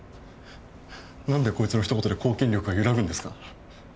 なんでこいつのひと言で公権力が揺らぐんですか？